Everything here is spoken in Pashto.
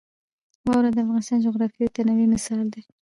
واوره د افغانستان د جغرافیوي تنوع مثال دی.